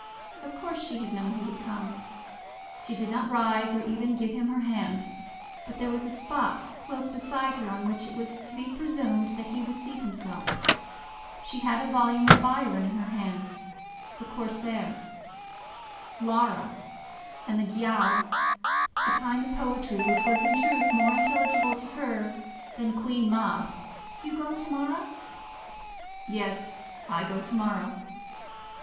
Of course she had known that he would come. She did not rise, or even give him her hand, but there was a spot close beside her on which it was to be presumed that he would seat himself. She had a volume of Byron in her hand, the Corsair, Lara, and the Giaour, a kind of poetry which was in truth more intelligible to her than Queen Mab. "You go to morrow?" "Yes; I go to morrow."